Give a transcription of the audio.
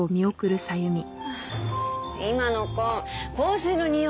今の子香水のにおいきつすぎ！